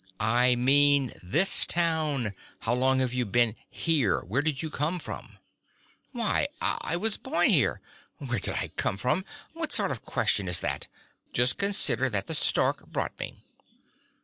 "I mean this town. How long have you been here? Where did you come from?" "Why, I was born here. Where did I come from? What sort of question is that? Just consider that the stork brought me."